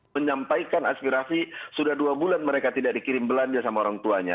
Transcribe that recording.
menyampaikan aspirasi sudah dua bulan mereka tidak dikirim belanja sama orang tuanya